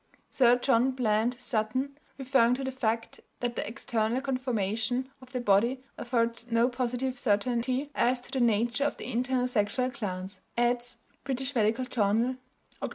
Sir John Bland Sutton, referring to the fact that the external conformation of the body affords no positive certainty as to the nature of the internal sexual glands, adds (British Medical Journal, Oct.